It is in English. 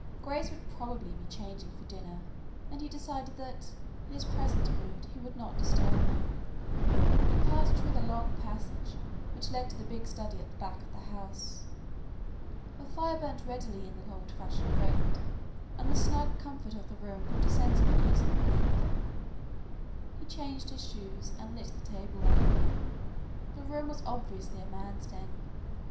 Grace would probably be changing for dinner, and he decided that in his present mood he would not disturb her. He passed through the long passage which led to the big study at the back of the house. A fire burnt redly in the old fashioned grate and the snug comfort of the room brought a sense of ease and relief. He changed his shoes, and lit the table lamp. The room was obviously a man's den.